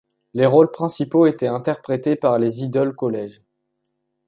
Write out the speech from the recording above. Les rôles principaux étaient interprétée par les Idol College.